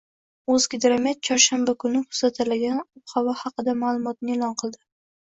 “O‘zgidromet” chorshanba kuni kuzatiladigan ob-havo ma’lumotini e’lon qildi